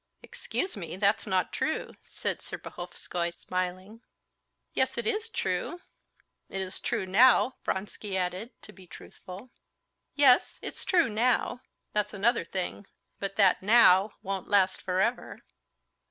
"Excuse me, that's not true," said Serpuhovskoy, smiling. "Yes, it is true, it is true ... now!" Vronsky added, to be truthful. "Yes, it's true now, that's another thing; but that now won't last forever."